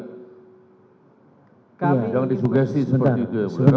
jangan disugesi seperti itu ya